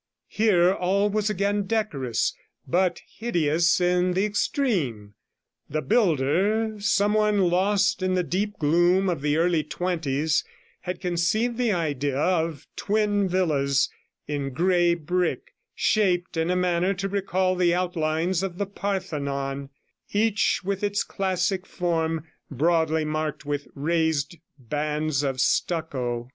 Here all was again decorous, but hideous in the extreme. The builder, some one lost in the deep gloom of the early 'twenties, had conceived the idea of twin villas in grey brick, shaped in a manner to recall the outlines of the Parthenon, each with its classic form broadly marked with raised bands of stucco.